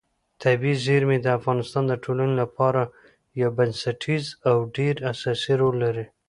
طبیعي زیرمې د افغانستان د ټولنې لپاره یو بنسټیز او ډېر اساسي رول لري.